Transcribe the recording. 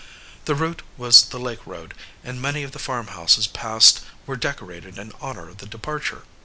The route was the lake road, and many of the farmhouses passed were decorated in honor of the departure.